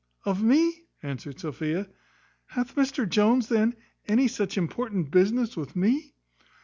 "Of me!" answered Sophia: "Hath Mr Jones, then, any such important business with me?"